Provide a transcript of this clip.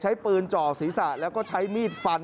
ใช้ปืนจ่อศีรษะแล้วก็ใช้มีดฟัน